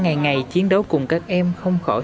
ngày ngày chiến đấu cùng các em không khỏi